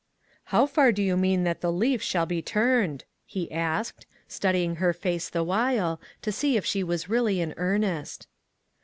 " How far do you mean that the leaf shall be turned ?" he asked, studying her face the while, to see if she was really in earnest.